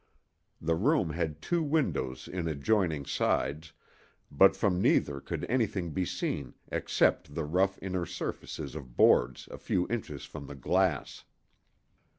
The room had two windows in adjoining sides, but from neither could anything be seen except the rough inner surfaces of boards a few inches from the glass.